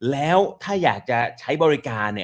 แล้วถ้าอยากจะใช้บริการ